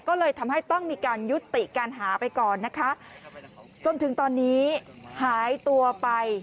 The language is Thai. ก็เลยทำให้ต้องมีการยุติการหาไปก่อนนะคะจนถึงตอนนี้หายตัวไป